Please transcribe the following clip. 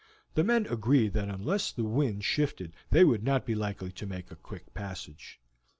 The men agreed that unless the wind shifted they would not be likely to make a quick passage.